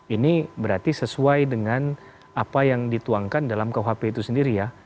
ini berarti sesuai dengan apa yang dituangkan dalam kuhp itu sendiri ya